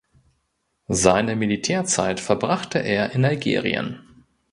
Seine Militärzeit verbrachte er in Algerien.